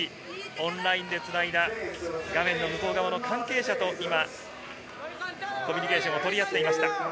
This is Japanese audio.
オンラインでつないだ画面の向こう側の関係者とコミュニケーションを取り合っていました。